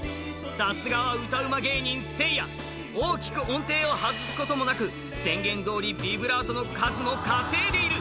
さすがは歌うま芸人・せいや大きく音程を外すこともなく宣言どおりビブラートの数も稼いでいる！